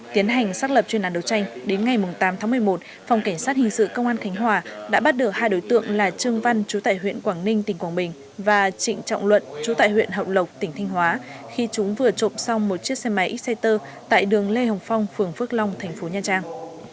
tiến hành xác lập chuyên án đấu tranh đến ngày tám tháng một mươi một phòng cảnh sát hình sự công an khánh hòa đã bắt được hai đối tượng là trương văn chú tại huyện quảng ninh tỉnh quảng bình và trịnh trọng luận chú tại huyện hậu lộc tỉnh thanh hóa khi chúng vừa trộm xong một chiếc xe máy xcer tại đường lê hồng phong phường phước long thành phố nha trang